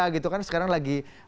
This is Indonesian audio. gitu kan sekarang lagi